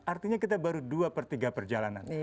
artinya kita baru dua per tiga perjalanan